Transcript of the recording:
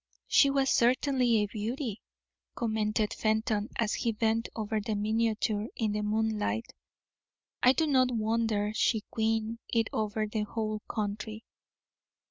"She was certainly a beauty," commented Fenton, as he bent over the miniature in the moonlight. "I do not wonder she queened it over the whole country."